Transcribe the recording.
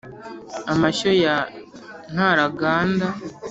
amashyo ya ntaraganda,